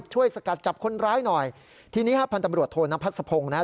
ช่วยสกัดจับคนร้ายหน่อยทีนี้ภัณฑ์ตำรวจโทนพัศพงศ์นะครับ